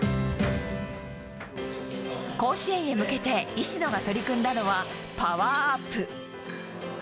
甲子園へ向けて、石野が取り組んだのはパワーアップ。